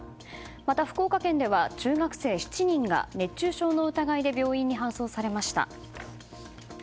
また、福岡県では中学生７人が熱中症の疑いで病院に搬送されました。